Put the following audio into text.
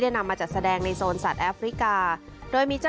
นำมาจัดแสดงในโซนสัตว์แอฟริกาโดยมีเจ้า